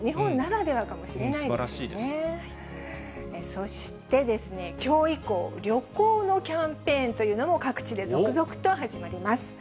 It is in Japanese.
そしてきょう以降、旅行のキャンペーンというのも各地で続々と始まります。